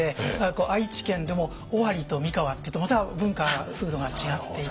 愛知県でも尾張と三河っていうとまた文化風土が違っていたりですね。